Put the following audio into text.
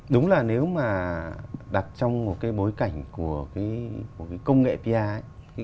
đúng là nếu mà đặt trong một cái bối cảnh của công nghệ pr